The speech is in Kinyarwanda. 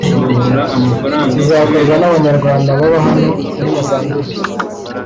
kizakorwa n’Abanyarwanda baba hano muri Mozambique